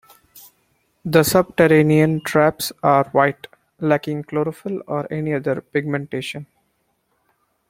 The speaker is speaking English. The subterranean traps are white, lacking chlorophyll or any other pigmentation.